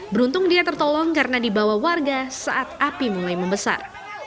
beruntung dia tertolong karena dibawa warga saat api mulai membesar